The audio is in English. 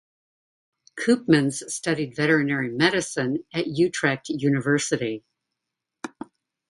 Koopmans studied veterinary medicine at Utrecht University.